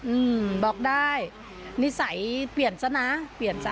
อืมบอกได้นิสัยเปลี่ยนซะนะเปลี่ยนซะ